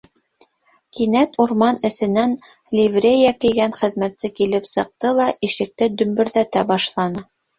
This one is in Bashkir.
Кинәт урман эсенән ливрея кейгән хеҙмәтсе килеп сыҡты ла ишекте дөбөрҙәтә башланы.